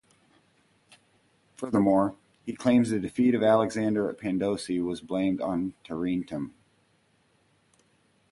Furthermore, he claims the defeat of Alexander at Pandosia was blamed on Tarentum.